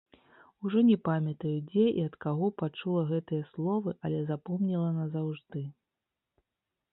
Ужо не памятаю, дзе і ад каго пачула гэтыя словы, але запомніла назаўжды.